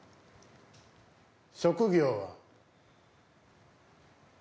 職業は？